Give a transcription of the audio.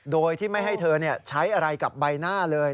โดยที่ไม่ให้เธอใช้อะไรกับใบหน้าเลย